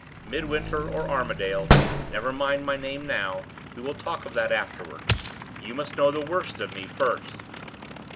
Midwinter or Armadale, never mind my name now, we will talk of that afterward; you must know the worst of me first."